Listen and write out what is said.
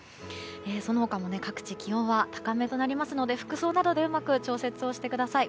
その他も各地気温は高めとなりますので服装などでうまく調節をしてください。